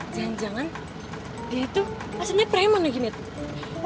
jangan jangan dia itu aslinya preman ya gini tuh